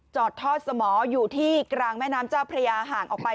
อดทอดสมออยู่ที่กลางแม่น้ำเจ้าพระยาห่างออกไป